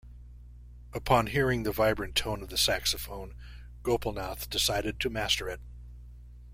Upon hearing the vibrant tone of the saxophone, Gopalnath decided to master it.